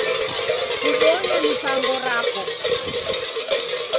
Kubonya mipango rako.